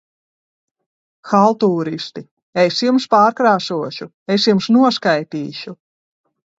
-Haltūristi! Es jums pārkrāsošu. Es jums noskaitīšu!